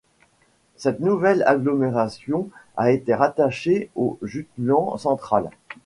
Cette nouvelle agglomération a été rattachée au Jutland central.